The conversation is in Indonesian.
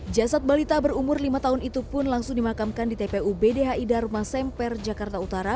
jasad balita berumur lima tahun itu pun langsung dimakamkan di tpu bdhi dharma semper jakarta utara